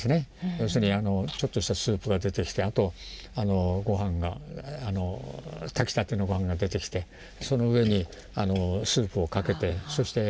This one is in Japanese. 要するにちょっとしたスープが出てきてあとご飯が炊きたてのご飯が出てきてその上にスープをかけてそして